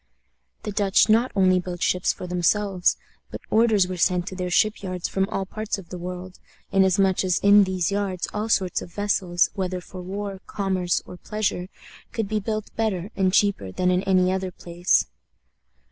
The Dutch not only built ships for themselves, but orders were sent to their ship yards from all parts of the world, inasmuch as in these yards all sorts of vessels, whether for war, commerce, or pleasure, could be built better and cheaper than in any other place.